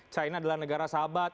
china adalah negara sahabat